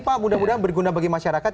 pak mudah mudahan berguna bagi masyarakat